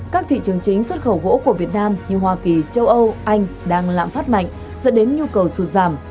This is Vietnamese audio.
các thị trường chính xuất khẩu gỗ của việt nam như hoa kỳ châu âu anh đang lạm phát mạnh dẫn đến nhu cầu sụt giảm